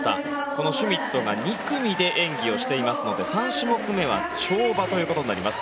このシュミットが２組で演技をしていますので３種目目は跳馬となります。